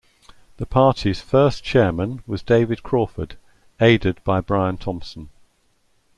The party's first chairman was David Crawford aided by Brian Thompson.